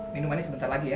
minumannya sebentar lagi ya